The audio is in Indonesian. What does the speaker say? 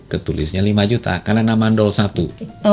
ketulisnya lima juta karena nama dolsatu